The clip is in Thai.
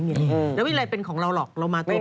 แล้วไม่มีอะไรเป็นของเราหรอกเรามาตัวเปล่า